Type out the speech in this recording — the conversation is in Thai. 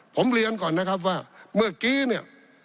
ผมเรียนก่อนนะครับว่าเมื่อกี้เนี่ย